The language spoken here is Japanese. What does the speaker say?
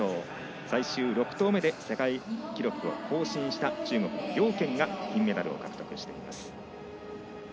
最終６投目で世界記録を更新した中国の姚娟が金メダルを獲得しています。